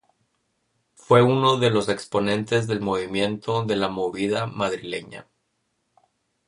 Fue uno de los exponentes del movimiento de la movida madrileña.